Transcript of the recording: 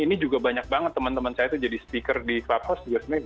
ini juga banyak banget teman teman saya itu jadi speaker di clubhouse juga sebenarnya